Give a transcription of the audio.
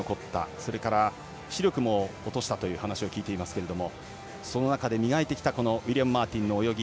それから、視力も落としたという話を聞いていますけれどもその中で磨いてきたウィリアム・マーティンの泳ぎ。